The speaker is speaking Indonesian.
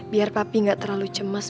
biar papi nggak terlalu cemas